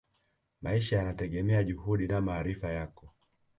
maisha yanategemea juhudi na maarifa yako